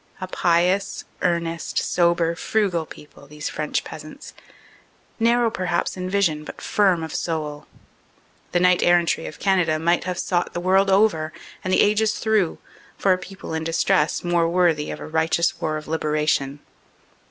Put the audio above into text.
A pious, earnest, sober, frugal people, these French peasants, narrow perhaps in vision but firm of soul. The knight errantry of Canada might have sought the world over and the ages through for a people in distress more worthy of a righteous war of liberation.